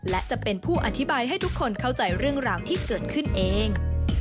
และจะเป็นผู้อธิบายให้ทุกคนเข้าใจเรื่องราวที่เกิดขึ้นเอง